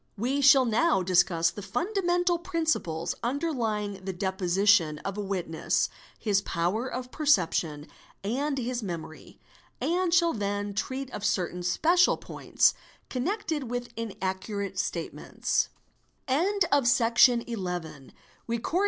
_ We shall now discuss the fundamental principles underlying the / deposition of a witness—his power of perception and his memory ; "and shall then treat of certain special points connected with inaccurate statements, a 8 58 EXAMINATION OF WITNESSES 1.